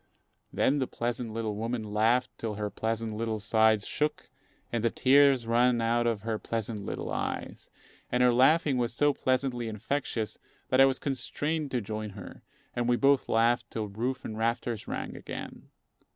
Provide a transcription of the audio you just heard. Then the pleasant little woman laughed till her pleasant little sides shook and the tears ran out of her pleasant little eyes; and her laughing was so pleasantly infectious that I was constrained to join her, and we both laughed till roof and rafters rang again.